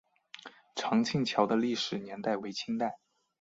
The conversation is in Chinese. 长庆桥的历史年代为清代。